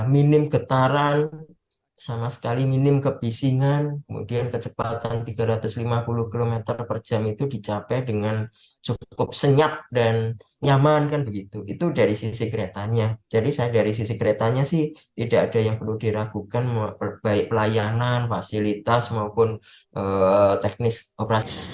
minim getaran sama sekali minim kebisingan kemudian kecepatan tiga ratus lima puluh km per jam itu dicapai dengan cukup senyap dan nyaman kan begitu itu dari sisi keretanya jadi saya dari sisi keretanya sih tidak ada yang perlu diragukan memperbaik pelayanan fasilitas maupun teknis operasi